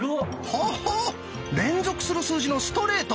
ほほう！連続する数字の「ストレート」！